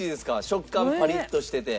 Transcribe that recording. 食感パリッとしてて。